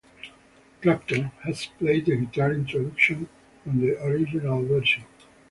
Clapton had played the guitar introduction on the original version.